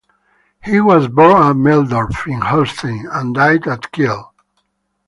He was born at Meldorf in Holstein and died at Kiel.